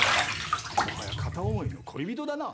もはや片思いの恋人だな。